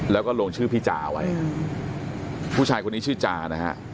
แล้วก็ลงชื่อพี่จาไว้ผู้ชายคนนี้ชื่อจานะฮะ